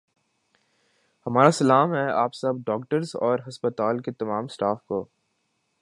ہمارا سلام ہے آپ سب ڈاکٹرس اور ہسپتال کے تمام سٹاف کو